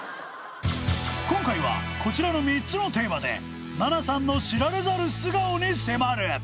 今回はこちらの３つのテーマで菜那さんの知られざる素顔に迫る！